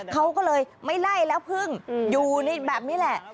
เขาก็เลยไม่ไล่แล้วพึ่งอยู่ในแบบนี้แหละ